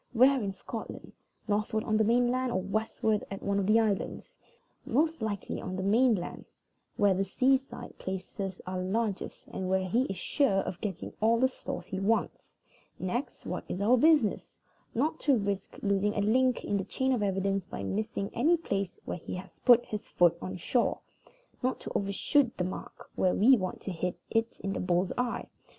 Where in Scotland? Northward on the main land, or westward at one of the islands? Most likely on the main land, where the seaside places are largest, and where he is sure of getting all the stores he wants. Next, what is our business? Not to risk losing a link in the chain of evidence by missing any place where he has put his foot on shore. Not to overshoot the mark when we want to hit it in the bull's eye.